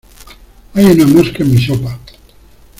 Hay una mosca en mi sopa.